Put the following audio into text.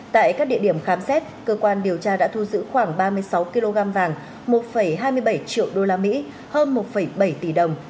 tại các địa điểm khám xét cơ quan điều tra đã thu giữ khoảng ba mươi sáu kg vàng một hai mươi bảy triệu usd hơn một bảy tỷ đồng